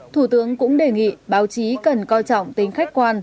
thủ tướng cũng đề nghị báo chí cần coi trọng tính khách quan